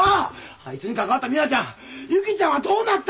あいつにかかわった美羽ちゃん由紀ちゃんはどうなった！？